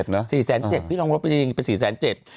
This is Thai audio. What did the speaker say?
๔๗๐๐๐๐บาทพี่รองรบประดิษฐ์เป็น๔๗๐๐๐๐บาท